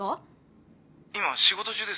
今仕事中です。